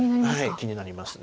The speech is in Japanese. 気になりますか。